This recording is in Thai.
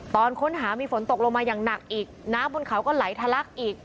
ตอนค้นหามีฝนตกลงมาอย่างหนักอีกน้ำบนเขาก็ไหลทะลักอีก